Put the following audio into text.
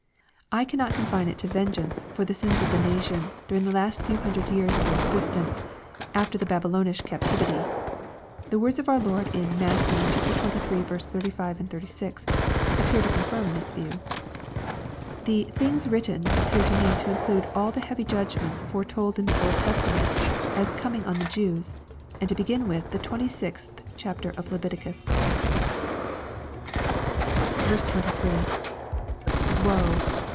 I cannot confine it to " vengeance" for the sins of the nation during the last few hun dred years of their existence after the Babylonish captivity. The words of our Lord it Matt, xxiii. 35, 36, appear to confirm this view. The " things written" appear to me to include all the heavy judg ments foretold in the Old Testament as coming on the Jews, and to begin with the 26th chap, of Leviticus. 23. — [Woe.